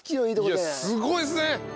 いやすごいですね！